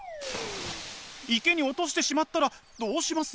池に落としてしまったらどうします？